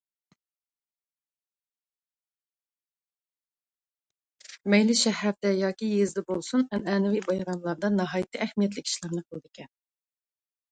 مەيلى شەھەردە ياكى يېزىدا بولسۇن، ئەنئەنىۋى بايراملىرىدا ناھايىتى ئەھمىيەتلىك ئىشلارنى قىلىدىكەن.